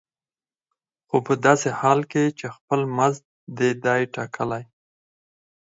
خو په داسې حال کې چې خپل مزد دې دی ټاکلی.